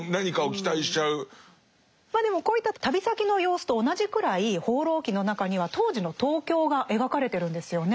まあでもこういった旅先の様子と同じくらい「放浪記」の中には当時の東京が描かれてるんですよね。